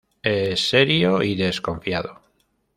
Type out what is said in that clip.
Es serio y desconfiado.